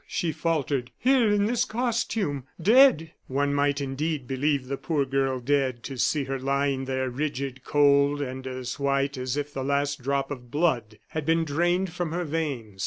she faltered, "here in this costume dead!" One might indeed believe the poor girl dead, to see her lying there rigid, cold, and as white as if the last drop of blood had been drained from her veins.